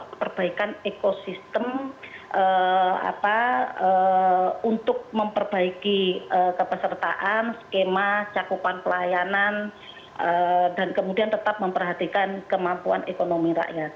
untuk perbaikan ekosistem untuk memperbaiki kepesertaan skema cakupan pelayanan dan kemudian tetap memperhatikan kemampuan ekonomi rakyat